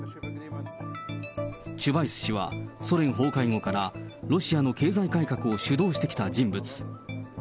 チュバイス氏は、ソ連崩壊後からロシアの経済改革を主導してきた人物。